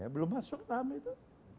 belum masuk tahap itu